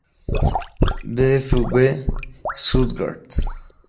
VfB Stuttgart